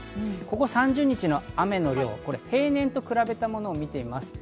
ここ３０日の雨、平年と比べたものを見てみます。